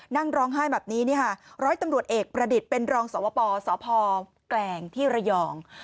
นั่งร้องไห้แบบนี้ร้อยตำรวจเอกประดิษฐ์เป็นรองสวปสพแกลงที่ระยอง